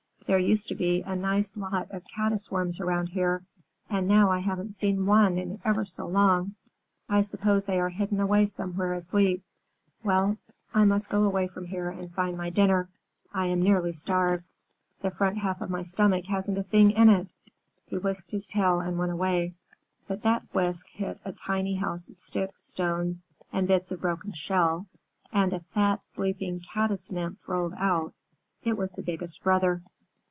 "There used to be a nice lot of Caddis Worms around here, and now I haven't seen one in ever so long. I suppose they are hidden away somewhere asleep. Well, I must go away from here and find my dinner. I am nearly starved. The front half of my stomach hasn't a thing in it." He whisked his tail and went away, but that whisk hit a tiny house of sticks, stones, and bits of broken shell, and a fat sleeping Caddis Nymph rolled out. It was the Biggest Brother.